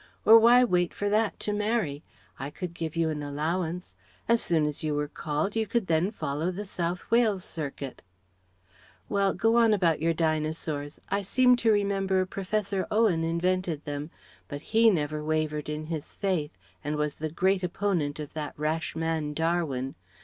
Or why wait for that to marry? I could give you an allowance. As soon as you were called you could then follow the South Wales circuit well, go on about your Dinosaurs. I seem to remember Professor Owen invented them but he never wavered in his faith and was the great opponent of that rash man, Darwin.